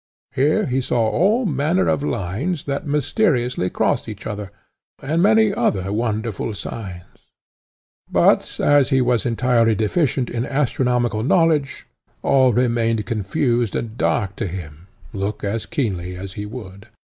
Here he saw all manner of lines, that mysteriously crossed each other, and many other wonderful signs; but as he was entirely deficient in astronomical knowledge, all remained confused and dark to him, look as keenly as he would.